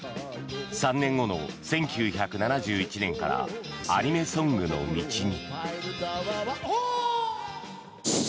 ３年後の１９７１年からアニメソングの道に。